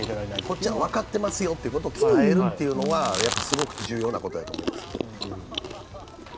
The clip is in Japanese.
こっちは分かってますよということを伝えることはすごく重要なことやと思います。